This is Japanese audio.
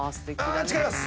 違います！